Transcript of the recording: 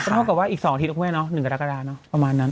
เท่ากับว่าอีก๒อาทิตย์นะคุณแม่เนาะ๑กรกฎาเนอะประมาณนั้น